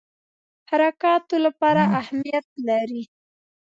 حرکاتو لپاره اهمیت لري.